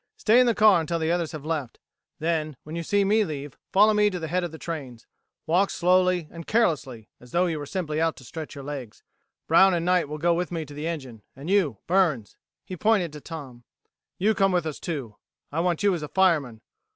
Stay in the car until the others have left; then, when you see me leave, follow me to the head of the trains. Walk slowly, and carelessly, as though you were simply out to stretch your legs. Brown and Knight will go with me to the engine, and you, Burns" he pointed to Tom "you come with us, too. I want you as fireman.